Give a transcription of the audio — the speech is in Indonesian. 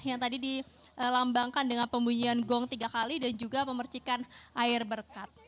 yang tadi dilambangkan dengan pembunyian gong tiga kali dan juga memercikan air berkat